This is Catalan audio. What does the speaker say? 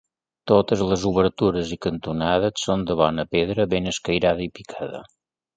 Totes les obertures i cantonades són de bona pedra ben escairada i picada.